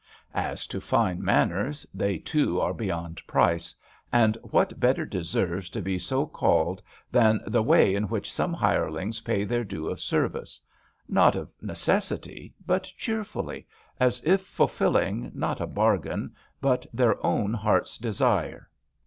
As to fine manners, they, too, are beyond price, and what better deserves to be so called than the way in which some hirelings pay their due of service; not of necessity, but cheerfully, as if fiilfiUing not a bargain, ibut their own heart's desire.